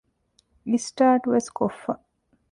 އިސްޓާޓުވެސް ކޮށްފަ